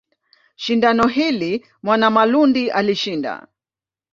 Shindano hili Mwanamalundi alishinda.